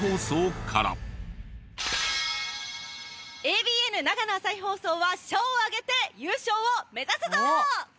ａｂｎ長野朝日放送は社を挙げて優勝を目指すぞ！